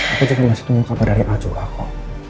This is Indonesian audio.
aku juga masih tunggu kabar dari a juga kok